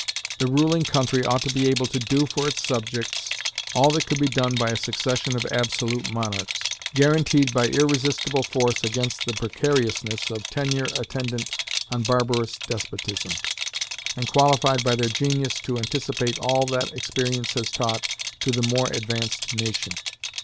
The ruling country ought to be able to do for its subjects all that could be done by a succession of absolute monarchs, guaranteed by irresistible force against the precariousness of tenure attendant on barbarous despotisms, and qualified by their genius to anticipate all that experience has taught to the more advanced nation.